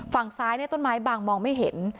ฝั่งซ้ายต้นไม้บางมองไม่เห็น